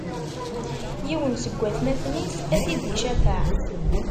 Yiwen seg watmaten-is, ad t-id-icafeɛ.